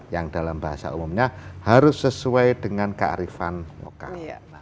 yang dalam bahasa umumnya harus sesuai dengan kearifan lokal